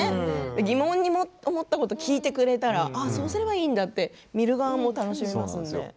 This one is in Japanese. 疑問に思ったことを聞いてくれたらそうすればいいんだって見る側も楽しいですよ。